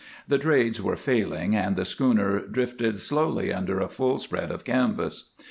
The trades were failing, and the schooner drifted slowly under a full spread of canvas.